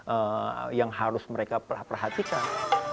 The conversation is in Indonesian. apa yang harus mereka perhatikan